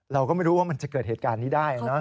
เราก็ไม่รู้ว่ามันจะเกิดเหตุการณ์นี้ได้นะ